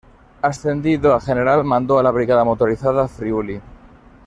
Ascendido a general, mandó a la Brigada motorizada Friuli.